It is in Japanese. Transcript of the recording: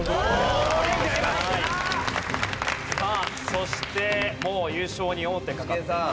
そしてもう優勝に王手かかっています